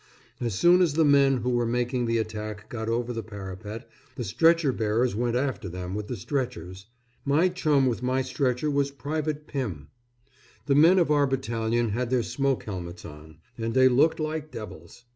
As soon as the men who were making the attack got over the parapet, the stretcher bearers went after them with the stretchers. My chum with my stretcher was Private Pymm. The men of our battalion had their smoke helmets on, and they looked like devils.